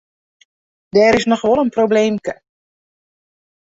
Der is noch wol in probleemke.